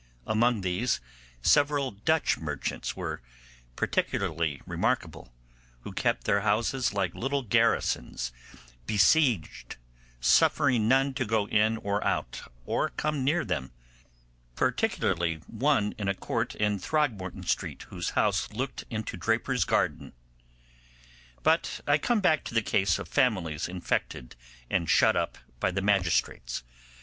Among these, several Dutch merchants were particularly remarkable, who kept their houses like little garrisons besieged suffering none to go in or out or come near them, particularly one in a court in Throgmorton Street whose house looked into Draper's Garden. But I come back to the case of families infected and shut up by the magistrates.